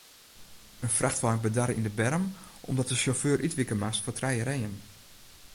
In frachtwein bedarre yn de berm omdat de sjauffeur útwike moast foar trije reeën.